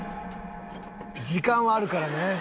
時間はあるからね。